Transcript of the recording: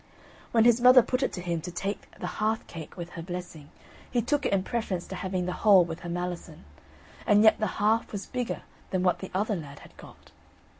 When his mother put it to him to take the half cake with her blessing, he took it in preference to having the whole with her malison; and yet the half was bigger than what the other lad had got.